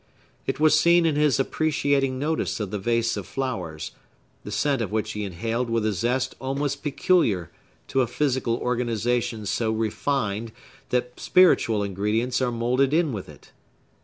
It was seen in his appreciating notice of the vase of flowers, the scent of which he inhaled with a zest almost peculiar to a physical organization so refined that spiritual ingredients are moulded in with it.